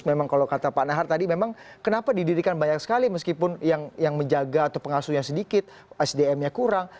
memang kalau kata pak nahar tadi memang kenapa didirikan banyak sekali meskipun yang menjaga atau pengasuhnya sedikit sdm nya kurang